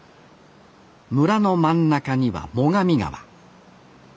村の真ん中には最上川。